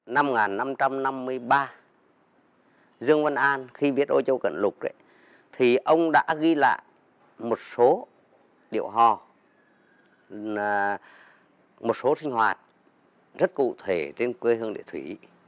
năm một nghìn năm trăm năm mươi ba dương văn an khi biết ôi châu cận lục thì ông đã ghi lại một số điệu hò một số sinh hoạt rất cụ thể trên quê hương lễ thủy